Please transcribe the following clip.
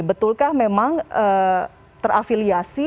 betulkah memang terafiliasi